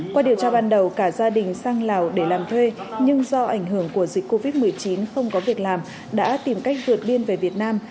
qua điều tra ban đầu cả gia đình sang lào để làm thuê nhưng do ảnh hưởng của dịch covid một mươi chín không có việc làm đã tìm cách vượt biên về việt nam